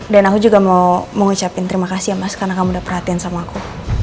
dan aku juga mau ngucapin terima kasih ya mas karena kamu udah perhatiin sama aku